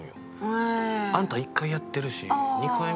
あんた１回やってるし２回目